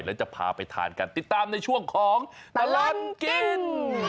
แล้วจะพาไปทานกันติดตามในช่วงของตลอดกิน